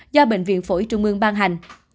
do bệnh viện phổi trung ương ban hành